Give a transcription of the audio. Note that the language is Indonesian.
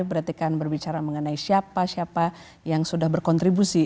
berarti kan berbicara mengenai siapa siapa yang sudah berkontribusi